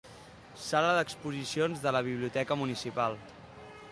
Sala d'exposicions de la Biblioteca municipal.